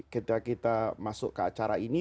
ketika kita masuk ke acara ini